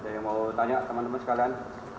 ada yang mau tanya teman teman sekalian